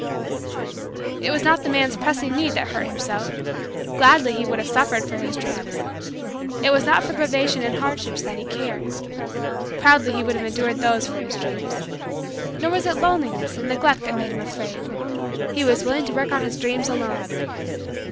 It was not the man's pressing need that hurt him so gladly he would have suffered for his dreams. It was not for privation and hardships that he cared proudly he would have endured those for his dreams. Nor was it loneliness and neglect that made him afraid he was willing to work out his dreams alone.